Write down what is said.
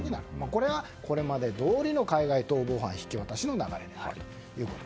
これは、これまでどおりの海外逃亡犯引き渡しの流れということ。